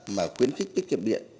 mà khuyến khích tiết kiệm điện